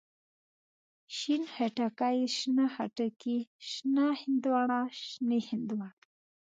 شين خټکی، شنه خټکي، شنه هندواڼه، شنې هندواڼی.